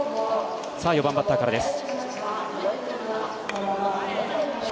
４番バッターからです。